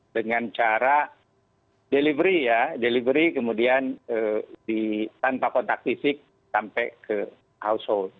dengan cara delivery ya delivery kemudian tanpa kontak fisik sampai ke household